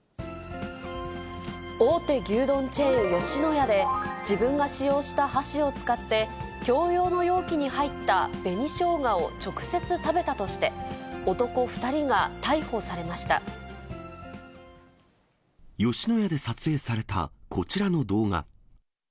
大手牛丼チェーン、吉野家で、自分が使用した箸を使って、共用の容器に入った紅ショウガを直接食べたとして、男２人が逮捕吉野家で撮影されたこちらの動画。